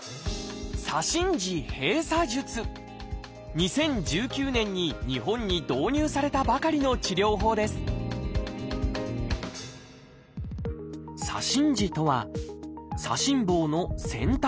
２０１９年に日本に導入されたばかりの治療法です「左心耳」とは左心房の先端の部分。